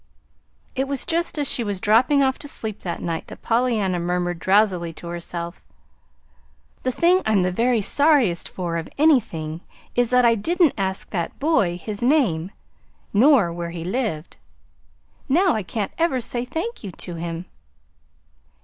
It was just as she was dropping off to sleep that night that Pollyanna murmured drowsily to herself: "The thing I'm the very sorriest for of anything is that I didn't ask that boy his name nor where he lived. Now I can't ever say thank you to him!"